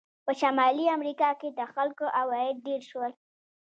په شمالي امریکا کې د خلکو عواید ډېر شول.